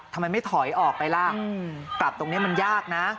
ทำไมไม่ถอยออกไปล่ะกลับตรงนี้มันยากนะ